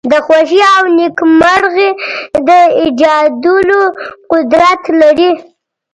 د خوښۍ او نېکمرغی د ایجادولو قدرت لری.